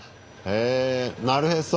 へえなるへそ！